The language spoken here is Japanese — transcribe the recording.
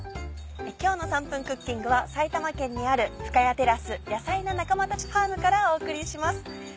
今日の『３分クッキング』は埼玉県にある深谷テラスヤサイな仲間たちファームからお送りします。